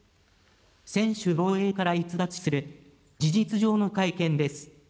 専守防衛から逸脱する、事実上の改憲です。